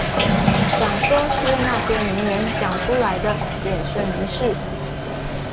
想說貼那些名人講出來的也是沒事